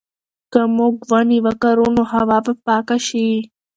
که موږ ونې وکرو نو هوا به پاکه شي.